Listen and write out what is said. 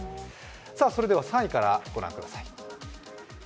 それでは３位からご覧ください。